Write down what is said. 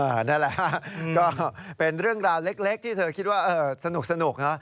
นั่นแหละฮะก็เป็นเรื่องราวเล็กที่เธอคิดว่าสนุกนะ